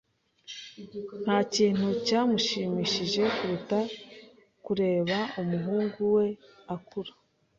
Ntakintu cyamushimishije kuruta kureba umuhungu we akura.